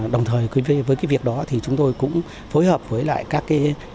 đồng thời với việc đó thì chúng tôi cũng phối hợp với các